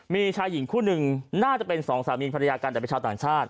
มีชายหญิงคู่หนึ่งน่าจะเป็นสองสามีภรรยากันแต่เป็นชาวต่างชาติ